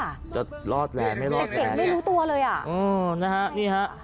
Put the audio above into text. ก็จะลอดแหละไม่ลอดแหละแต่เก่งไม่รู้ตัวเลยอ่ะอ๋อนะฮะนี่ฮะ